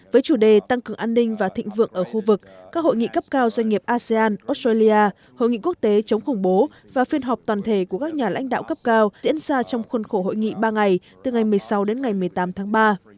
với chủ đề tăng cường an ninh và thịnh vượng ở khu vực các hội nghị cấp cao doanh nghiệp asean australia hội nghị quốc tế chống khủng bố và phiên họp toàn thể của các nhà lãnh đạo cấp cao diễn ra trong khuôn khổ hội nghị ba ngày từ ngày một mươi sáu đến ngày một mươi tám tháng ba